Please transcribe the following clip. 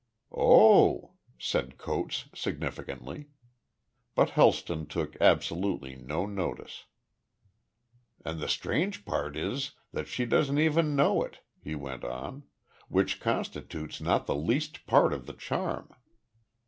"Oh h!" said Coates, significantly. But Helston took absolutely no notice. "And the strange part is that she doesn't even know it," he went on, "which constitutes not the least part of the charm."